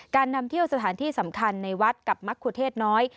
นำเที่ยวสถานที่สำคัญในวัดกับมะคุเทศน้อย